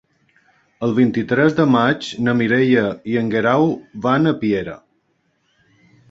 El vint-i-tres de maig na Mireia i en Guerau van a Piera.